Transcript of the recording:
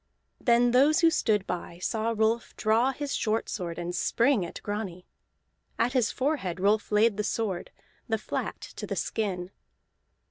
Then those who stood by saw Rolf draw his short sword and spring at Grani. At his forehead Rolf laid the sword, the flat to the skin.